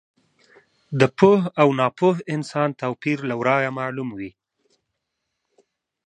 د پوه او ناپوه انسان توپیر له ورایه معلوم وي.